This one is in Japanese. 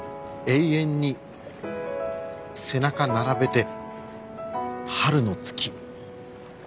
「永遠に背中並べて春の月」。